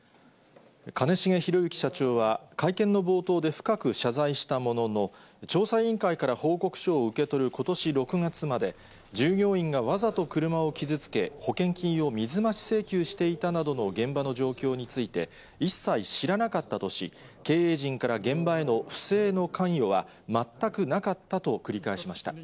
兼重宏行社長は、会見の冒頭で深く謝罪したものの、調査委員会から報告書を受け取ることし６月まで、従業員がわざと車を傷つけ、保険金を水増し請求していたなどの現場の状況について、一切知らなかったとし、経営陣から現場への不正への関与は全くなかったと繰り返しました。